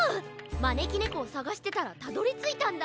まねきねこをさがしてたらたどりついたんだ。